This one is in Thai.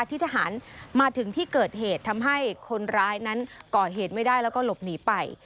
ที่ทหารมาถึงที่เกิดเหตุทำให้คนร้ายนั้นก่อเหตุไม่ได้แล้วก็หลบหนีไป